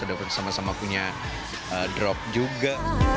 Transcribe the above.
udah sama sama punya drop juga